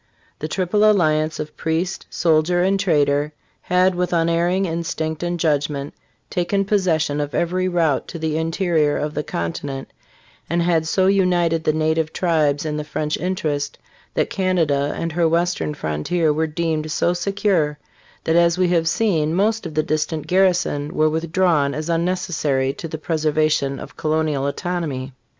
The triple alliance of priest, soldier and trader had with unerring instinct and judgment taken possession of every route to the interior of the continent, and had so united the native tribes in the French interest that Canada and her western frontier were deemed so secure that, as we have seen, most of the distant garrisons were withdrawn as unneces sary to the preservation of colonial autonomy.